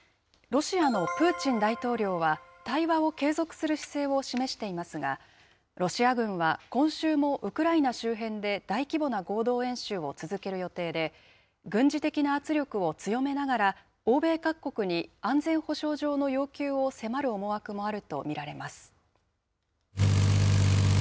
ロシアのプーチン大統領は対話を継続する姿勢を示していますが、ロシア軍は今週もウクライナ周辺で大規模な合同演習を続ける予定で、軍事的な圧力を強めながら、欧米各国に安全保障上の要求を迫る思惑もあると見られます。